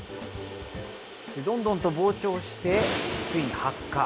どんどんと膨張してついに発火。